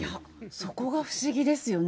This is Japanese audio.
そこが不思議ですよね、